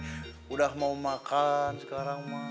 sudah mau makan sekarang